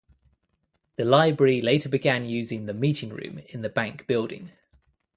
The library later began using the meeting room in the bank building.